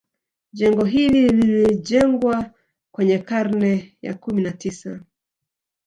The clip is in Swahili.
Jengo hili lilijengwa kwenye karne ya kumi na tisa